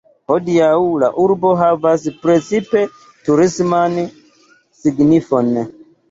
Hodiaŭ la urbo havas precipe turisman signifon.